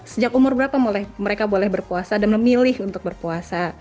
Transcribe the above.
sejak umur berapa mereka boleh berpuasa dan memilih untuk berpuasa